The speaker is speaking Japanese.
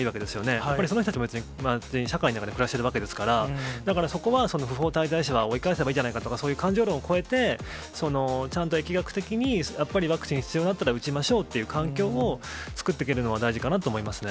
やっぱりその人たちも全員、社会の中で暮らしているわけですから、だからそこは、不法滞在者は追い返せみたいなそういう感情論を超えて、ちゃんと疫学的に、やっぱりワクチンが必要だったら打ちましょうという環境を作っていくのは大事かなと思いますね。